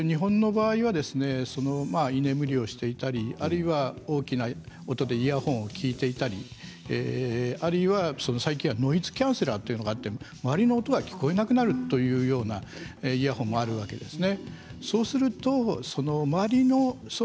日本の場合は居眠りをしていたりあるいは大きな音でイヤホンで聴いていたり最近はノイズキャンセラーというのがあって周りの音が聞こえなくなるイヤホンもあるわけですね。